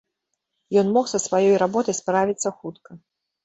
Ён мог са сваёй работай справіцца хутка.